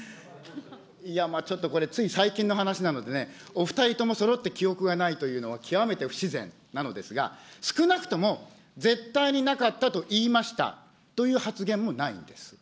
いやまあ、ちょっとこれ、つい最近の話なのでね、お２人ともそろって記憶がないというのは、極めて不自然なのですが、少なくとも絶対になかったと言いましたという発言もないんです。